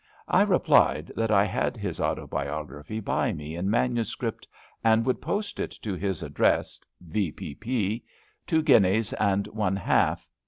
I replied that I had his autobiography by me in manuscript, and would post it to his address, V.P.P., two gineas and one half.